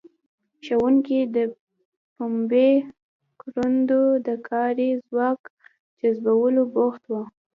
ښوونکي د پنبې کروندو ته د کاري ځواک جذبولو بوخت وو.